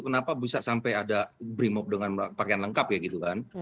kenapa bisa sampai ada brimob dengan pakaian lengkap ya gitu kan